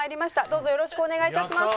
どうぞよろしくお願い致します。